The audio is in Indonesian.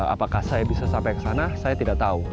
apakah saya bisa sampai ke sana saya tidak tahu